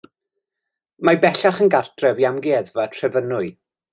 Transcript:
Mae bellach yn gartref i Amgueddfa Trefynwy.